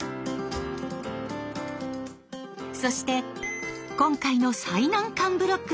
そして今回の最難関ブロックになる